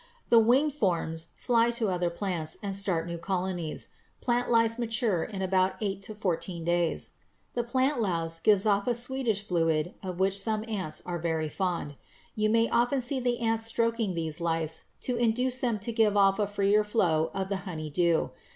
The winged forms fly to other plants and start new colonies. Plant lice mature in from eight to fourteen days. The plant louse gives off a sweetish fluid of which some ants are very fond. You may often see the ants stroking these lice to induce them to give off a freer flow of the "honey dew."